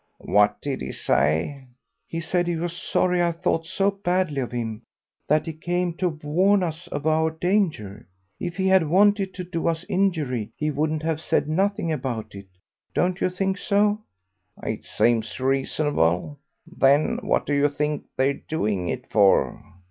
"What did he say?" "He said he was sorry I thought so badly of him; that he came to warn us of our danger. If he had wanted to do us an injury he wouldn't have said nothing about it. Don't you think so?" "It seems reasonable. Then what do you think they're doing it for?"